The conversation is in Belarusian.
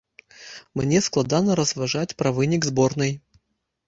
Мне складана разважаць пра вынік зборнай.